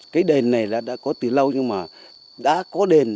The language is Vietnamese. cái đền này đã có từ lâu nhưng mà đã có đền